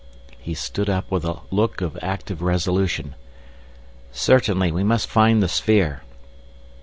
He stood up with a look of active resolution. "Certainly we must find the sphere."